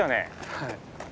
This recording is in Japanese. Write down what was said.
はい。